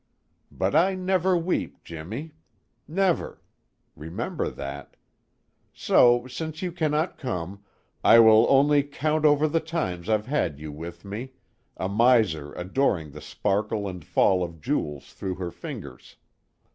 But I never weep, Jimmy. Never. Remember that. So, since you cannot come, I will only count over the times I've had you with me, a miser adoring the sparkle and fall of jewels through her fingers.